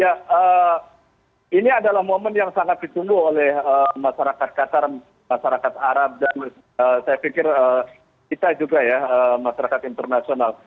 ya ini adalah momen yang sangat ditunggu oleh masyarakat qatar masyarakat arab dan saya pikir kita juga ya masyarakat internasional